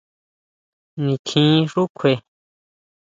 Nintjin xú kjue.